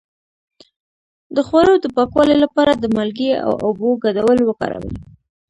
د خوړو د پاکوالي لپاره د مالګې او اوبو ګډول وکاروئ